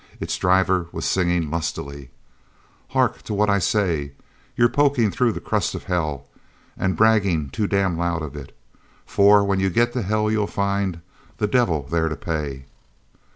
Its driver was singing lustily: "Hark to what I say: You're pokin' through the crust of hell And braggin' too damn loud of it, For, when you get to hell, you'll find The devil there to pay!"